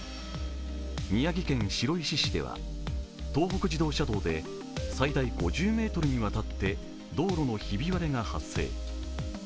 宮城県白石市では、東北自動車道で最大５０ｍにわたって道路のひび割れが発生。